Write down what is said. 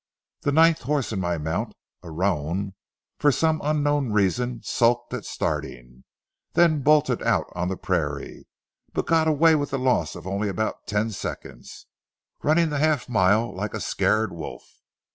The ninth horse in my mount, a roan, for some unknown reason sulked at starting, then bolted out on the prairie, but got away with the loss of only about ten seconds, running the half mile like a scared wolf.